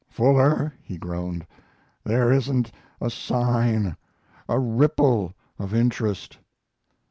"Fuller," he groaned, "there isn't a sign a ripple of interest."